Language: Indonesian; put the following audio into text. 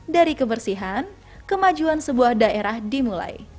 dari kebersihan kemajuan sebuah daerah dimulai